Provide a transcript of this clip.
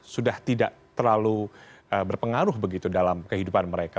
sudah tidak terlalu berpengaruh begitu dalam kehidupan mereka